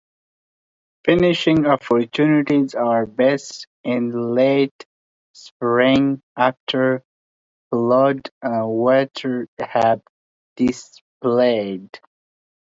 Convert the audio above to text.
Fishing opportunities are best in late spring after flood waters have dissipated.